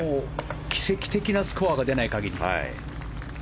奇跡的なスコアが出ない限り。